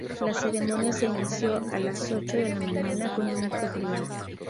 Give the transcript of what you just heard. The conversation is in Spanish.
La ceremonia se inició a las ocho de la mañana con un acto privado.